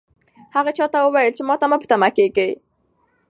هغه چا ته وویل چې ماته مه په تمه کېږئ.